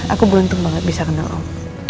aku beruntung banget bisa kenal om